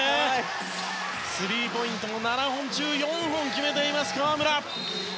スリーポイントも７本中４本決めている河村。